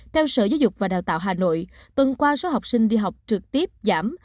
theo sở giáo dục và đào tạo hà nội tuần qua số học sinh đi học trực tiếp giảm